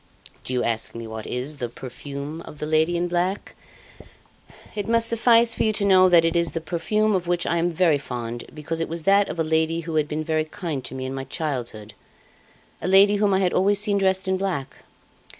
"Do you ask me what is the 'perfume of the lady in black'? It must suffice for you to know that it is a perfume of which I am very fond, because it was that of a lady who had been very kind to me in my childhood, a lady whom I had always seen dressed in black.